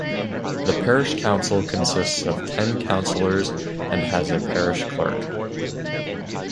The parish council consists of ten councillors and has a parish clerk.